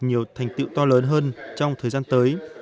nhiều thành tựu to lớn hơn trong thời gian tới